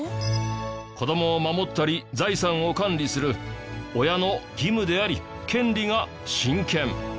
子どもを守ったり財産を管理する親の義務であり権利が親権。